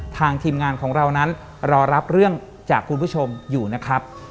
ทีมงานของเรานั้นรอรับเรื่องจากคุณผู้ชมอยู่นะครับ